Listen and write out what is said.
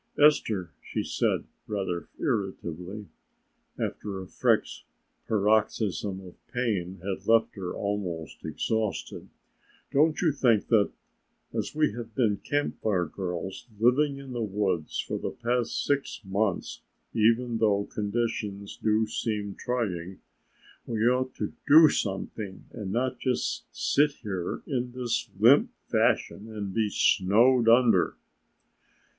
"Esther," she said rather irritably, after a fresh paroxysm of pain had left her almost exhausted, "don't you think that, as we have been Camp Fire girls living in the woods for the past six months, even though conditions do seem trying, we ought to do something and not just sit here in this limp fashion and be snowed under?"